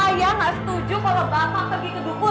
kalau bapak pergi ke bukun